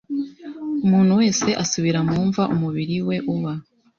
Umuntu wese asubira mu mva umubiri we uba